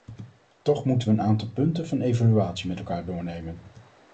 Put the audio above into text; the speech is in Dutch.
Toch moeten we een aantal punten van evaluatie met elkaar doornemen.